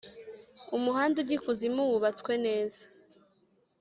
umuhanda ujya ikuzimu wubatswe neza